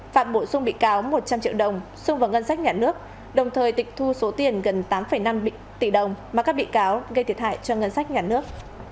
phạt bổ sung bị cáo một trăm linh triệu đồng xung vào ngân sách nhà nước đồng thời tịch thu số tiền gần tám năm tỷ đồng mà các bị cáo gây thiệt hại cho ngân sách nhà nước